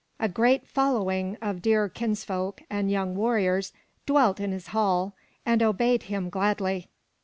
A great following of dear kinsfolk and young warriors dwelt in his hall and obeyed him gladly.